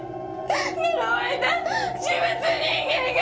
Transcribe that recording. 呪われた呪物人間が！